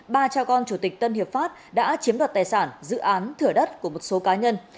ba cha con chủ tịch tân hiệp pháp đã chiếm đoạt tài sản dự án thửa đất của một số cá nhân